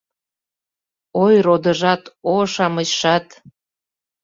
Ой, родыжат, о, шамычшат!